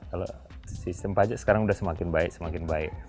kalau sistem pajak sekarang sudah semakin baik semakin baik